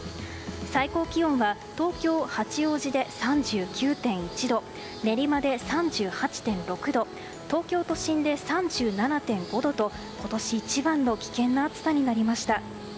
最高気温は東京・八王子で３９．１度練馬で３８．６度東京都心で３７．５度と今年一番の危険な暑さになりました。